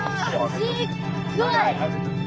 すっごい！